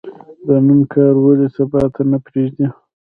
د نن کار ولې سبا ته نه پریږدو؟